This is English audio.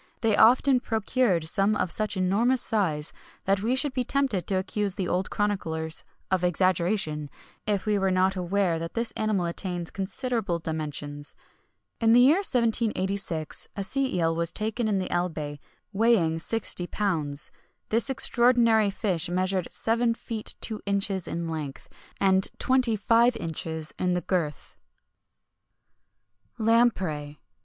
[XXI 73] They often procured some of such enormous size, that we should be tempted to accuse the old chroniclers of exaggeration, if we were not aware that this animal attains considerable dimensions. In the year 1786 a sea eel was taken in the Elbe, weighing sixty pounds. This extraordinary fish measured seven feet two inches in length, and twenty five inches in the girth.[XXI 74] LAMPREY.